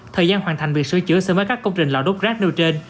thời gian hoàn thành việc sửa chữa sẽ mới các công trình lò đốt rác nêu trên